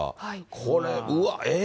これ、うわっ、えー？